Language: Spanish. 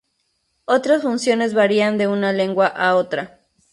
Otras funciones varían de una lengua a otra.